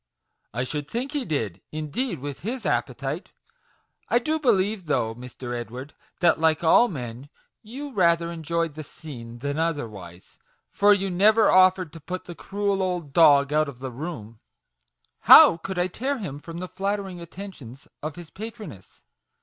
' I should think he did, indeed, with his appe tite ! I do believe, though, Mr. Edward, that, 24 MAGIC WORDS. like all men, you rather enjoyed the scene than otherwise; for you never offered to put the cruel old dog out of the room/' " How could I tear him from the flattering attentions of his Patroness